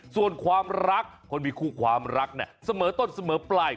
ส่วนความรักคนมีคู่ความรักเนี่ยเสมอต้นเสมอปลาย